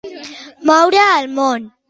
Moure el món.